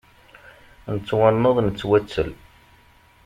Nettwanneḍ nettwattel.